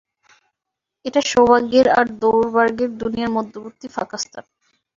এটা সৌভাগ্যের আর দুর্ভাগ্যের দুনিয়ার মধ্যবর্তী ফাঁকা স্থান।